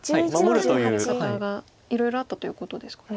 手の入れ方がいろいろあったということですかね。